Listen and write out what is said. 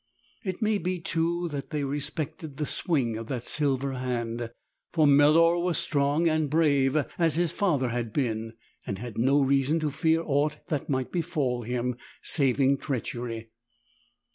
It may be, too, that they respected the swing of that silver hand, for Melor was strong and brave, as his father had been, and had no reason to fear aught that might befall him — saving treachery.